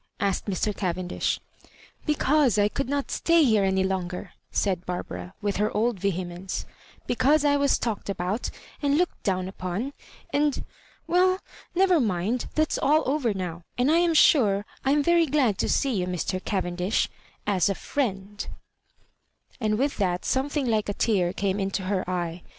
" asked Mr. Cavendish. " Because I could not stay here any longer," said Barbara, with her old vehemence; "be cause I was talked about, and looked down up on, and Well, never mind, that's all over now ; and I am sure I am very glad to see you, Mr. Cavendish, as a friend,^^ And with that something like a tear came into her eye.